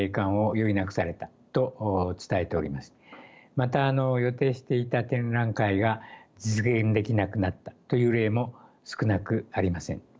また予定していた展覧会が実現できなくなったという例も少なくありません。